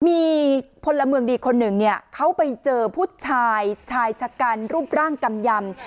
มีพลเมืองดีคนหนึ่งเนี่ยเขาไปเจอผู้ชายชายชะกันรูปร่างกำยำ